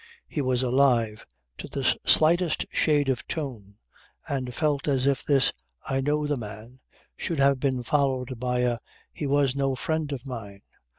He was alive to the slightest shade of tone, and felt as if this "I know the man" should have been followed by a "he was no friend of mine."